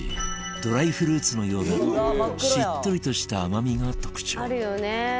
ドライフルーツのようなしっとりとした甘みが特徴藤本：あるよね。